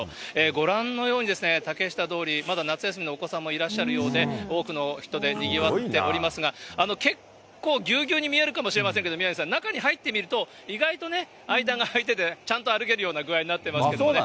ご覧のようにですね、竹下通り、まだ夏休みのお子さんもいらっしゃるようで、多くの人でにぎわっておりますが、結構、ぎゅうぎゅうに見えるかもしれませんが、宮根さん、中に入ってみると、意外とね、間が空いてて、ちゃんと歩けるような具合になっていますけどね。